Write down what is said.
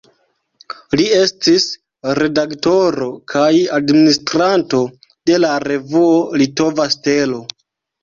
Li estis redaktoro kaj administranto de la revuo "Litova Stelo".